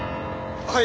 はい！